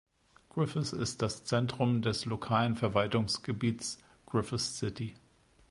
Griffith ist das Zentrum des lokalen Verwaltungsgebiets Griffith City.